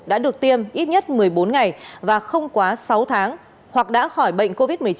đã được tiêm ít nhất một mươi bốn ngày và không quá sáu tháng hoặc đã khỏi bệnh covid một mươi chín